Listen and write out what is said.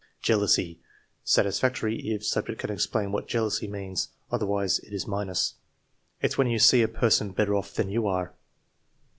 "Jealousy" (satisfactory if subject can explain what jealousy means; otherwise it is minus). "It's when you see a person better off than you are."